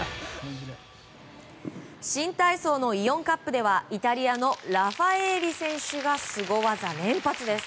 新体操のイオンカップではイタリアのラファエーリ選手がすご技連発です。